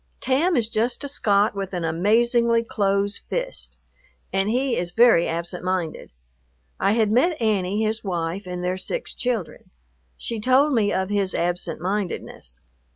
Tam is just a Scot with an amazingly close fist, and he is very absent minded. I had met Annie, his wife, and their six children. She told me of his absent mindedness.